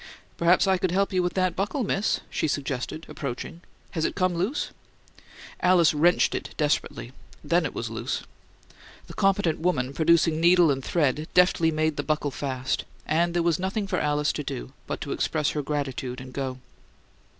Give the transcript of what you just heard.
"Perhaps I could help you with that buckle, Miss," she suggested, approaching. "Has it come loose?" Alice wrenched desperately; then it was loose. The competent woman, producing needle and thread, deftly made the buckle fast; and there was nothing for Alice to do but to express her gratitude and go.